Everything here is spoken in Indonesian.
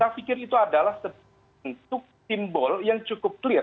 saya pikir itu adalah bentuk simbol yang cukup clear